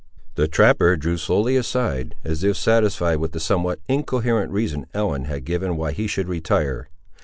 The trapper drew slowly aside, as if satisfied with the somewhat incoherent reason Ellen had given why he should retire.